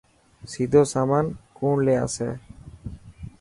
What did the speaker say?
سيدو سامان ڪوڻ لي آسي.